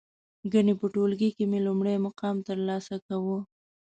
گني په ټولگي کې مې لومړی مقام ترلاسه کاوه.